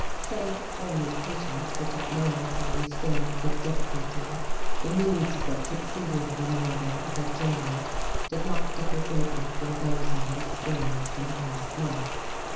Save for an impatience which at moments I restrained with difficulty, the moods that succeeded one another as I journeyed did not differ greatly from those I had experienced in the past month.